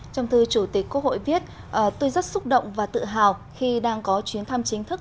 trong thư chủ tịch quốc hội viết tôi rất xúc động và tự hào khi đang có chuyến thăm chính thức